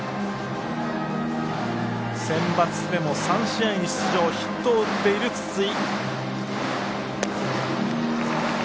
センバツでも３試合に出場ヒットを打っている筒井。